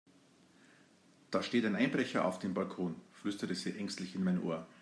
Da steht ein Einbrecher auf dem Balkon, flüsterte sie ängstlich in mein Ohr.